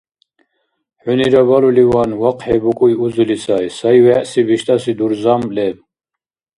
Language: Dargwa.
ХӀунира балуливан, вахъхӀи букӀуй узули сай, сай-вегӀси биштӀаси дурзам леб...